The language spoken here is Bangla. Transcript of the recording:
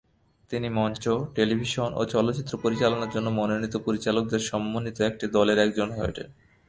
তিনি মঞ্চ, টেলিভিশন ও চলচ্চিত্র পরিচালনার জন্য মনোনীত পরিচালকদের সম্মানিত দলের একজন হয়ে ওঠেন।